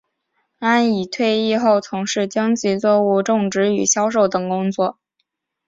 安琦退役后从事经济作物种植与销售等工作。